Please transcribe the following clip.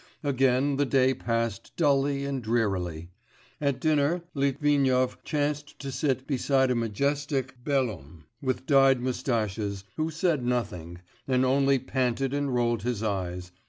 Again the day passed dully and drearily. At dinner, Litvinov chanced to sit beside a majestic belhomme, with dyed moustaches, who said nothing, and only panted and rolled his eyes